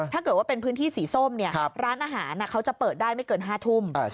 ถ้าเกิดว่าเป็นพื้นที่สีส้มร้านอาหารเขาจะเปิดได้ไม่เกิน๕ทุ่ม